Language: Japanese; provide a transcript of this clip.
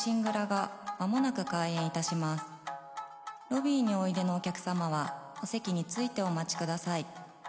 がまもなく開演いたしますロビーにおいでのお客様はお席についてお待ちください